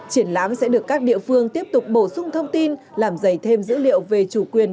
triển lãm sẽ được các địa phương tiếp tục bổ sung thông tin làm dày thêm dữ liệu về chủ quyền